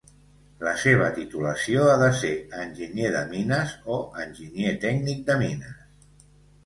La seva titulació ha de ser enginyer de mines o enginyer tècnic de mines.